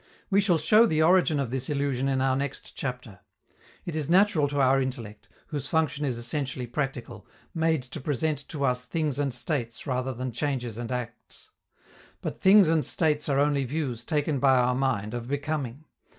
We shall show the origin of this illusion in our next chapter. It is natural to our intellect, whose function is essentially practical, made to present to us things and states rather than changes and acts. But things and states are only views, taken by our mind, of becoming.